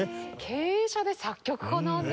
経営者で作曲家なんですね。